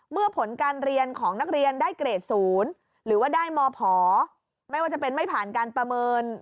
ผลการเรียนของนักเรียนได้เกรดศูนย์หรือว่าได้มผไม่ว่าจะเป็นไม่ผ่านการประเมิน